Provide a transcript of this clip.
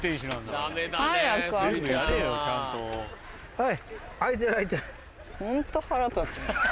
はい。